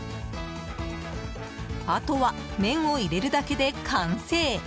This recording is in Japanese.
あとは麺を入れるだけで完成。